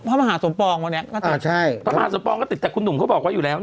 พระมหาสมปองวันนี้ก็ติดพระมหาสมปองก็ติดแต่คุณหนุ่มเขาบอกว่าอยู่แล้ว